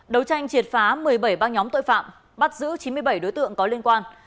đấu tranh triệt phá một mươi bảy băng nhóm tội phạm bắt giữ chín mươi bảy đối tượng có liên quan